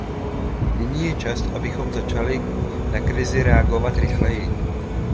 Nyní je čas, abychom začali na krizi reagovat rychleji.